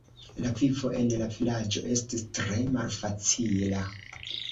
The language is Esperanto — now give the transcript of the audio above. La vivo en la vilaĝo estis tre malfacila.